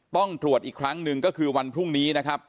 ต้องตรวจอีกครั้งหนึ่งก็คือวันพรุ่งนี้นะครับ